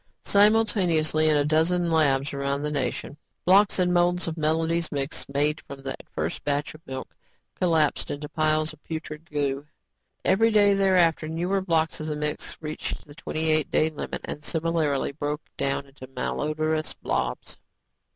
Simultaneously, in a dozen labs around the nation, blocks and molds of Melody's Mix made from that first batch of milk, collapsed into piles of putrid goo. Every day thereafter, newer blocks of the mix reached the twenty eight day limit and similarly broke down into malodrous blobs.